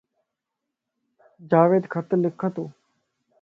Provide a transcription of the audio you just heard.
جاويد خط لک تو